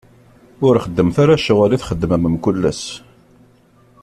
Ur xeddmet ara ccɣel i txeddmem mkul ass.